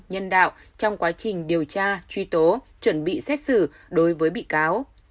nhân đạo trong quá trình điều tra truy tố chuẩn bị xét xử đối với bị cáo